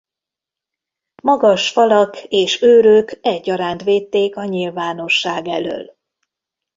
Magas falak és őrök egyaránt védték a nyilvánosság elől.